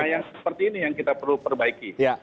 jadi bukan hanya seperti ini yang kita perlu perbaiki